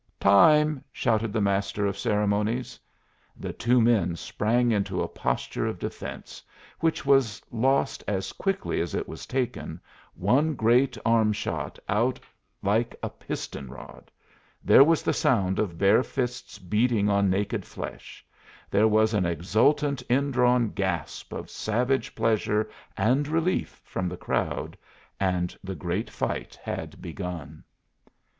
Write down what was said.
"Time," shouted the master of ceremonies. The two men sprang into a posture of defense, which was lost as quickly as it was taken, one great arm shot out like a piston rod; there was the sound of bare fists beating on naked flesh; there was an exultant indrawn gasp of savage pleasure and relief from the crowd, and the great fight had begun.